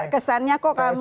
kesannya kok kami